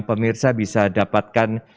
pemirsa bisa dapatkan